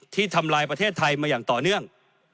ทำลายประเทศไทยมาอย่างต่อเนื่อง